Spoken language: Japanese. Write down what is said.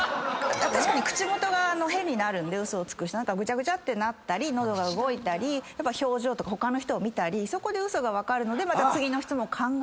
確かに口元が変になるんで何かぐちゃぐちゃってなったり喉が動いたり表情とか他の人を見たりそこでウソが分かるのでまた次の質問考えるんですよね。